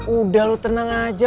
udah lu tenang aja